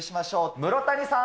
室谷さん。